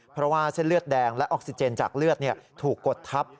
เพราะว่าเส้นเลือดแดงและออกซิเจนจากเลือดถูกกดทับ